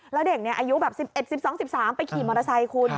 แล้วเด็กอายุ๑๑๑๓ขายมอเตอร์ไซค์